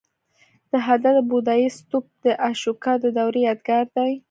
د هده د بودایي ستوپ د اشوکا د دورې یادګار دی